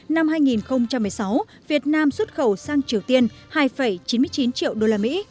năm hai nghìn một mươi sáu việt nam xuất khẩu sang triều tiên hai chín mươi chín triệu usd